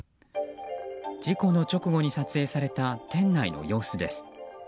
事故の直後に撮影された店内の様子です。